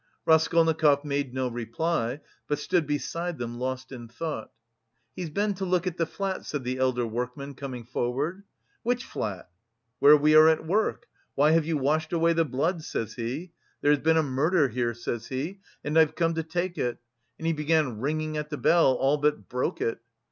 Raskolnikov made no reply, but stood beside them lost in thought. "He's been to look at the flat," said the elder workman, coming forward. "Which flat?" "Where we are at work. 'Why have you washed away the blood?' says he. 'There has been a murder here,' says he, 'and I've come to take it.' And he began ringing at the bell, all but broke it.